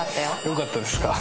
よかったですか？